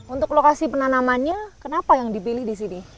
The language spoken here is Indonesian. untuk lokasi penanamannya kenapa yang dipilih di sini